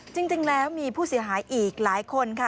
จริงแล้วมีผู้เสียหายอีกหลายคนค่ะ